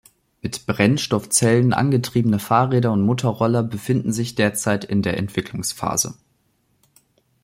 Mit Brennstoffzellen angetriebene Fahrräder und Motorroller befinden sich derzeit in der Entwicklungsphase.